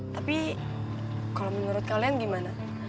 tapi kalau menurut kalian gimana